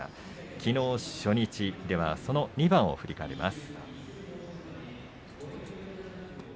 きのう、初日２番を振り返ります。